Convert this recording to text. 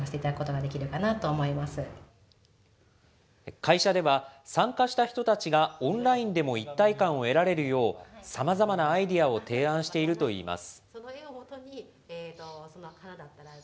会社では、参加した人たちがオンラインでも一体感を得られるよう、さまざまなアイデアを提案しているといいます。